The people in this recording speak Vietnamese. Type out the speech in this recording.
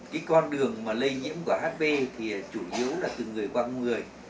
cái con đường mà lây nhiễm của hp thì chủ yếu là từ người qua người